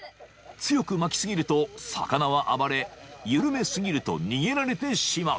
［強く巻き過ぎると魚は暴れ緩め過ぎると逃げられてしまう］